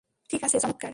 ঠিক আছে, চমৎকার।